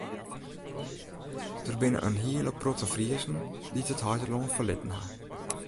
Der binne in hiele protte Friezen dy't it heitelân ferlitten ha.